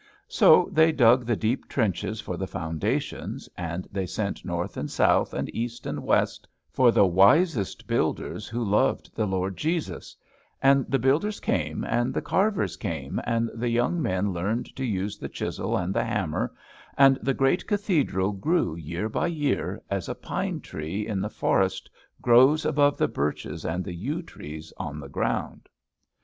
So they dug the deep trenches for the foundations, and they sent north and south, and east and west for the wisest builders who loved the Lord Christ; and the builders came, and the carvers came, and the young men learned to use the chisel and the hammer; and the great Cathedral grew year by year, as a pine tree in the forest grows above the birches and the yew trees on the ground.